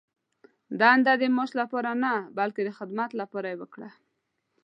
دنده د معاش لپاره نه، بلکې د خدمت لپاره یې وکړه.